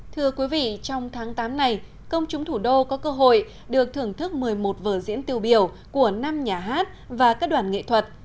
thưa quý vị trong tháng tám này công chúng thủ đô có cơ hội được thưởng thức một mươi một vở diễn tiêu biểu của năm nhà hát và các đoàn nghệ thuật